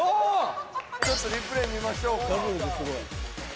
ちょっとリプレイ見ましょうか。